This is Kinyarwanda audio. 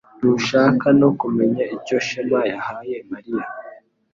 Ntushaka no kumenya icyo Shema yahaye Mariya